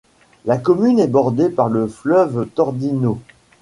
La commune est bordée par le fleuve Tordino.